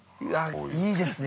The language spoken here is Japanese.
◆いいですね。